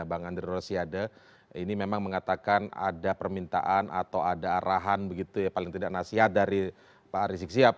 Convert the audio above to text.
bang andre rosiade ini memang mengatakan ada permintaan atau ada arahan begitu ya paling tidak nasihat dari pak rizik sihab